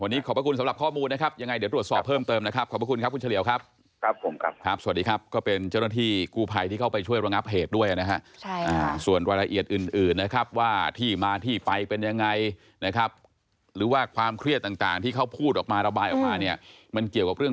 วันนี้ขอบพระคุณสำหรับข้อมูลนะครับยังไงเดี๋ยวตรวจสอบเพิ่มเติมนะครับขอบคุณครับคุณเฉลี่ยวครับครับผมครับครับสวัสดีครับก็เป็นเจ้าหน้าที่กู้ภัยที่เข้าไปช่วยระงับเหตุด้วยนะฮะส่วนรายละเอียดอื่นนะครับว่าที่มาที่ไปเป็นยังไงนะครับหรือว่าความเครียดต่างที่เขาพูดออกมาระบายออกมาเนี่ยมันเกี่ยวกับเรื่อง